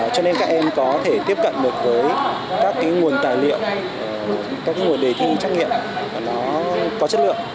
cho nên các em có thể tiếp cận được với các nguồn tài liệu các nguồn đề thi trắc nghiệm nó có chất lượng